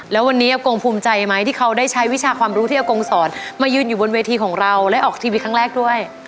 แล้ววันนี้อากงภูมิใจไหมที่เขาได้ใช้วิชาความรู้ที่อากงสอนมายืนอยู่บนเวทีของเราและออกทีวีครั้งแรกด้วย